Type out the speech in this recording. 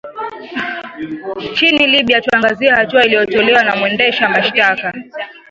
chini libya tuangazie hatua iliyotolewa na mwendesha mashtaka